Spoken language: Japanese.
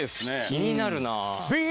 気になるな。